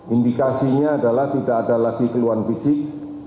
indikasinya adalah tidak ada lagi keluhan fisik